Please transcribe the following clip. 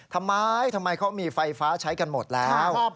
ทำไมทำไมเขามีไฟฟ้าใช้กันหมดแล้ว